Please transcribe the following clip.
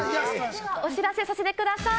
お知らせさせてください。